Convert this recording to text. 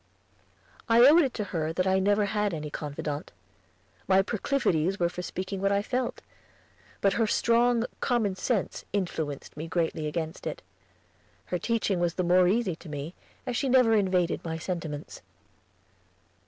I owed it to her that I never had any confidante. My proclivities were for speaking what I felt; but her strong common sense influenced me greatly against it; her teaching was the more easy to me, as she never invaded my sentiments.